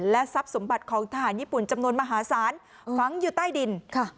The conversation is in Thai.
ทรัพย์สมบัติของทหารญี่ปุ่นจำนวนมหาศาลฝังอยู่ใต้ดิน